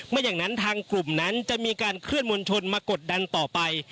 ไม่อย่างนั้นทางกลุ่มนั้นจะมีการเคลื่อนมวลชนมากดดันต่อไป